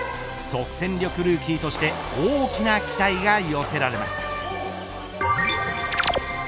即戦力ルーキーとして大きな期待が寄せられます。